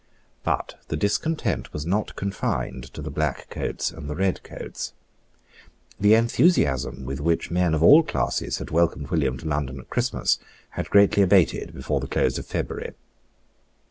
But the discontent was not confined to the black coats and the red coats. The enthusiasm with which men of all classes had welcomed William to London at Christmas had greatly abated before the close of February.